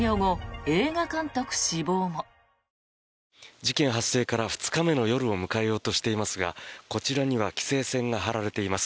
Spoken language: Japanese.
事件発生から２日目の夜を迎えようとしていますがこちらには規制線が張られています。